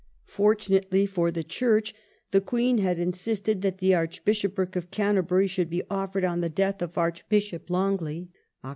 Fortunately for the Church, the Queen had insisted that the Archbishopric of Canter bury should be offered on the death of Archbishop L#ngley (Oct.